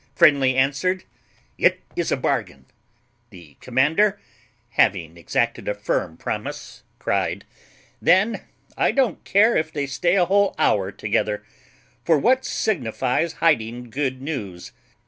Friendly answered, "It is a bargain." The commander, having exacted a firm promise, cryed, "Then I don't care if they stay a whole hour together; for what signifies hiding good news?